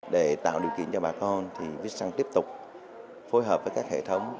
để tạo điều kiện cho bà con thì viettel săng tiếp tục phối hợp với các hệ thống